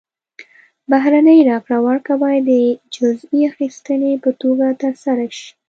بهرنۍ راکړه ورکړه باید د جزیې اخیستنې په توګه ترسره شي.